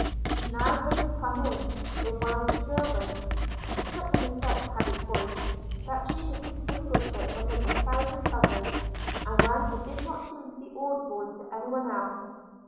She now heard him come in, with one of the servants; for such an effect had his voice, that she could distinguish it amid a thousand others, and when it did not seem to be audible to any one else.